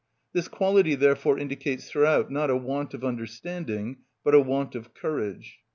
This quality therefore indicates throughout not a want of understanding but a want of courage.